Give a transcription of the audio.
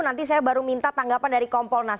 nanti saya baru minta tanggapan dari kompolnas